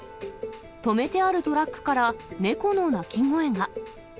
止めてあるトラックから、猫の鳴き声が。